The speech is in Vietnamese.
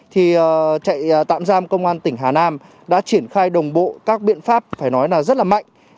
thì trại tạm giam công an tỉnh hà nam đã triển khai đồng bộ các biện pháp phải nói là rất là mạnh